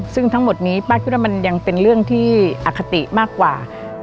ซึ่งทั้งหมดนี้ป้าคิดว่ามันยังเป็นเรื่องที่อคติมากกว่า